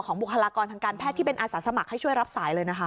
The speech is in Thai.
บุคลากรทางการแพทย์ที่เป็นอาสาสมัครให้ช่วยรับสายเลยนะคะ